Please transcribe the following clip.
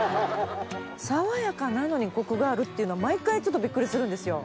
爽やかなのにコクがあるっていうのは毎回ちょっとビックリするんですよ。